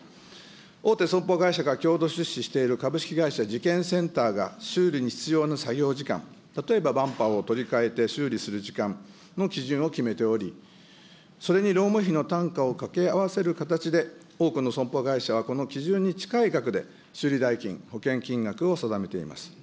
大手損保会社が共同出資している株式会社事件センターが修理に必要な作業時間、例えばバンパーを取り換えて修理する時間の基準を決めており、それに労務費の単価をかけ合わせる形で、多くの損保会社はこの基準に近い額で修理代金、保険金額を定めています。